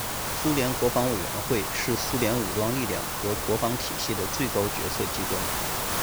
苏联国防委员会是苏联武装力量和国防体系的最高决策机关。